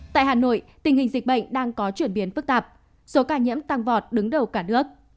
tại hà nội tình hình dịch bệnh đang có chuyển biến phức tạp số ca nhiễm tăng vọt đứng đầu cả nước